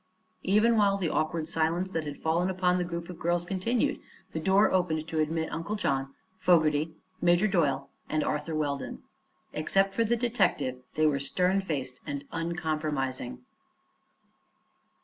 Even while the awkward silence that had fallen upon the group of girls continued, the door opened to admit Uncle John, Fogerty, Major Doyle and Arthur Weldon. Except for the detective they were stern faced and uncompromising.